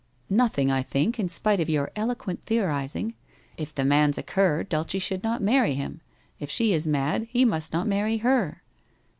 '' Nothing, I think, in spite of your eloquent theoriz ing. If the man's a cur, Dulce should not marry him, if she is mad, he must not marry her.'